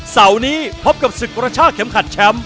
เสาร์นี้พบกับศึกกระชากเข็มขัดแชมป์